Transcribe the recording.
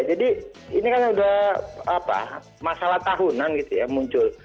jadi ini kan udah masalah tahunan gitu ya muncul